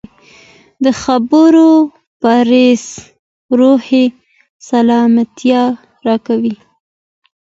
د خبرو پرهېز روحي سلامتیا راکوي.